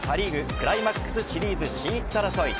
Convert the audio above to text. クライマックスシリーズ進出争い。